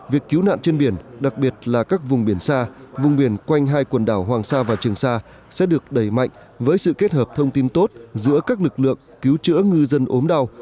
việc cứu nạn trên biển đặc biệt là các vùng biển xa vùng biển quanh hai quần đảo hoàng sa và trường sa sẽ được đẩy mạnh với sự kết hợp thông tin tốt giữa các lực lượng cứu chữa ngư dân ốm đau